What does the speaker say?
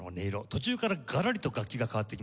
途中からがらりと楽器が変わってきます。